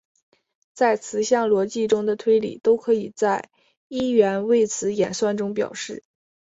在词项逻辑中的推理都可以在一元谓词演算中表示。